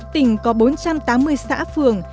tỉnh có bốn trăm tám mươi xã phường